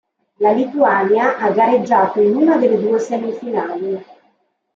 La Lituania ha gareggiato in una delle due semifinali.